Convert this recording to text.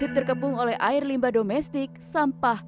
nasib terkepung oleh air limba domestik sampah